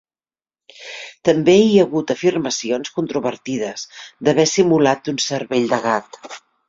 També hi ha hagut afirmacions controvertides d'haver simulat un cervell de gat.